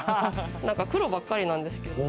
黒ばっかりなんですけど。